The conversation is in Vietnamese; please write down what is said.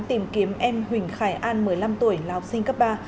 tìm kiếm em huỳnh khải an một mươi năm tuổi là học sinh cấp ba